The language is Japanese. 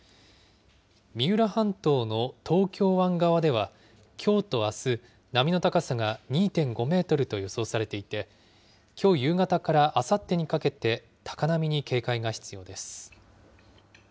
三浦半島の東京湾側では、きょうとあす、波の高さが２．５メートルと予想されていて、きょう夕方からあさってにかけて、高波に警戒が必要です。